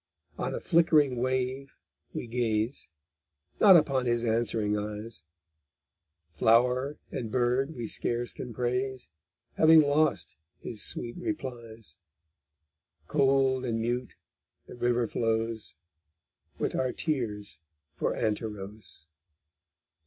On a flickering wave we gaze, Not upon his answering eyes: Flower and bird we scarce can praise, Having lost his sweet replies: Cold and mute the river flows With our tears for Anterôs_.